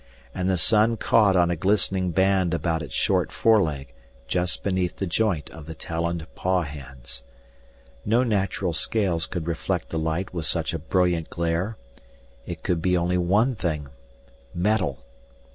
And the sun caught on a glistening band about its short foreleg just beneath the joint of the taloned pawhands. No natural scales could reflect the light with such a brilliant glare. It could be only one thing metal!